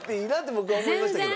僕は思いましたけど。